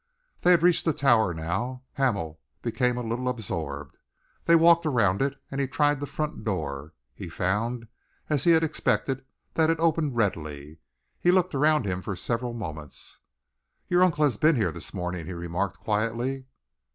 They had reached the Tower now. Hamel became a little absorbed. They walked around it, and he tried the front door. He found, as he had expected, that it opened readily. He looked around him for several moments. "Your uncle has been here this morning," he remarked quietly.